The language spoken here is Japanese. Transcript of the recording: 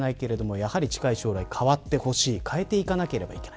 やはり近い将来変わってほしい変えていかなければいけない。